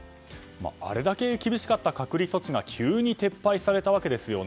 あれだけ厳しかった隔離措置が急に撤廃されたわけですよね。